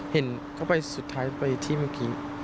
เห็นเข้าไปสุดท้ายไปที่เมื่อกี้